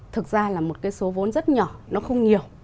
thực ra là một cái số vốn rất nhỏ nó không nhiều